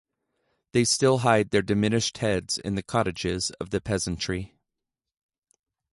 They still hide their diminished heads in the cottages of the peasantry.